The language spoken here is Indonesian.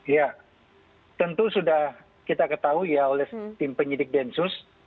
ya tentu sudah kita ketahui oleh tim penyelidik densus